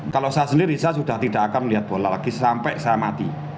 kalau saya sendiri saya sudah tidak akan melihat bola lagi sampai saya mati